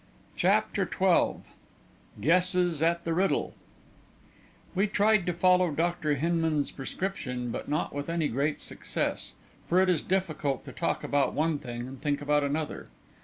CHAPTER XII GUESSES AT THE RIDDLE We tried to follow Dr. Hinman's prescription, but not with any great success, for it is difficult to talk about one thing and think about another.